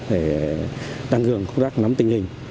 để tăng cường công tác nắm tình hình